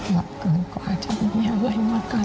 รักเกินกว่าจะรักไบร์มากกว่า